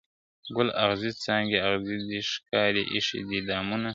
ګل اغزي څانګي اغزي دي ښکاري ایښي دي دامونه `